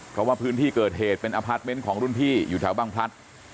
เพราะว่าพื้นที่เกิดเหตุเป็นอพาร์ทเมนต์ของรุ่นพี่อยู่แถวบางพลัด